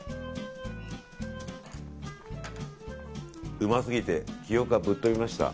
うますぎて記憶がぶっ飛びました。